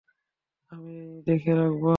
আমি দেখে রাখব।